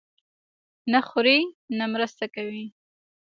نه خوري، نه مرسته کوي.